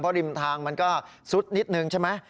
ริมทางมันก็ซุดนิดนึงใช่ไหม